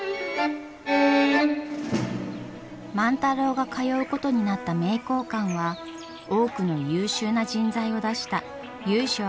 万太郎が通うことになった名教館は多くの優秀な人材を出した由緒ある学問所です。